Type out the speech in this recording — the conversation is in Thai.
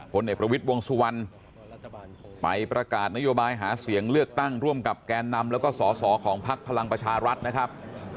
เอกประวิทย์วงสุวรรณไปประกาศนโยบายหาเสียงเลือกตั้งร่วมกับแกนนำแล้วก็สอสอของพักพลังประชารัฐนะครับ